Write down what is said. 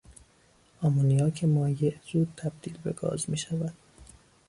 آمونیاک مایع زود تبدیل به گاز میشود.